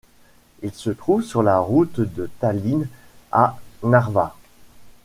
Il se trouve sur la route de Tallinn à Narva.